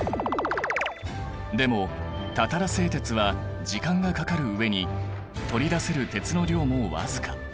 でもたたら製鉄は時間がかかる上に取り出せる鉄の量も僅か。